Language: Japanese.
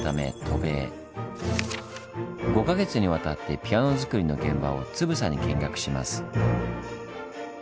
５か月にわたってピアノづくりの現場をつぶさに見学します。